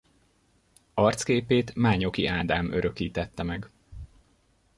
Arcképét Mányoki Ádám örökítette meg.